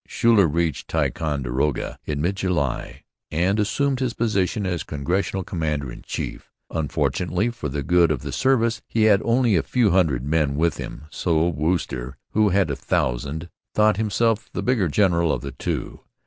Schuyler reached Ticonderoga in mid July and assumed his position as Congressional commander in chief. Unfortunately for the good of the service he had only a few hundred men with him; so Wooster, who had a thousand, thought himself the bigger general of the two.